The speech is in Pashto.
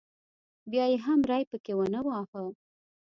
بیا یې هم ری پکې ونه واهه.